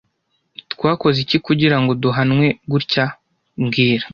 Twakoze iki kugirango duhanwe gutya mbwira